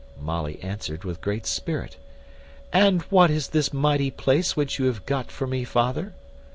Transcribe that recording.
Molly answered with great spirit, "And what is this mighty place which you have got for me, father?"